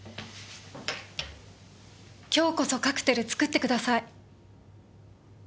今日こそカクテル作ってください。